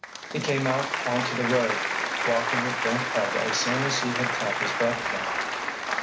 He came out onto the road, walking with bent head as soon as he had caught his breath again.